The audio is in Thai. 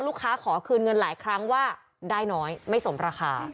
ขอคืนเงินหลายครั้งว่าได้น้อยไม่สมราคา